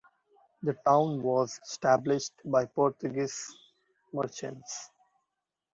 The town was established by Portuguese merchants.